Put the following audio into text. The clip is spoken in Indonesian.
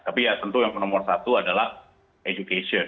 tapi ya tentu yang nomor satu adalah education